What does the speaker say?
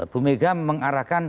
bu megang mengarahkan